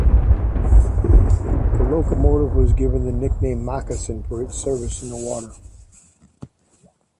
The locomotive was given the nickname "Moccasin" for its service in the water.